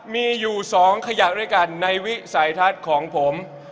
มีอยู่๒ขยะด้วยกันในวิสัยทัศน์ของผม